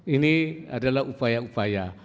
ini adalah upaya upaya